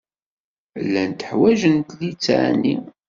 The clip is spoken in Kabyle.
Llant ḥwaǧent litteɛ-nni.